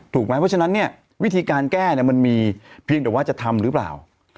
เพราะฉะนั้นเนี่ยวิธีการแก้มันมีเพียงแต่ว่าจะทำหรือเปล่า